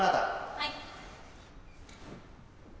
はい。